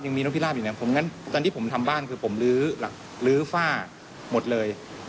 นกพิราบอยู่เนี่ยผมงั้นตอนที่ผมทำบ้านคือผมลื้อฝ้าหมดเลย